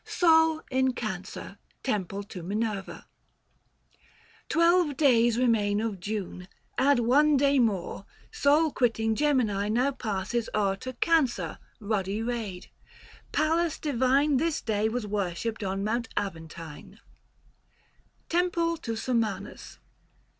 XIV. KAL. JUL. SOL IN CANCER. TEMPLE TO MINERVA. Twelve days remain of June ; add one day more. Sol quitting Gemini now passes o'er To Cancer ruddy rayed : Pallas divine 875 This day was worshipped on Mount Aventine. XIII. KAL. JUL. TEMPLE TO SUMMANUS.